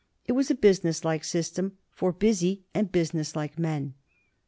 It was a businesslike system for busy and businesslike men.